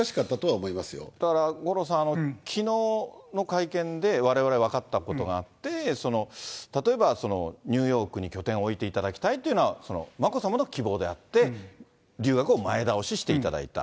だから五郎さん、きのうの会見で、われわれ分かったことがあって、例えばニューヨークに拠点を置いていただきたいというのは、眞子さまの希望であって、留学を前倒ししていただいた。